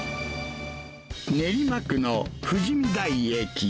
練馬区の富士見台駅。